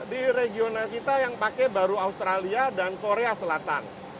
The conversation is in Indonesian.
di regional kita yang pakai baru australia dan korea selatan